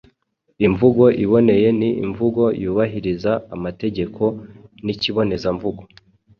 Imvugo iboneye ni imvugo yubahiriza amategeko y’ikibonezamvugo.